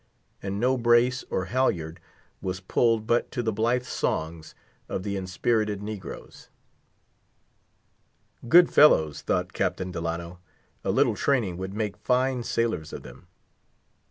And no brace or halyard was pulled but to the blithe songs of the inspirited negroes. Good fellows, thought Captain Delano, a little training would make fine sailors of them.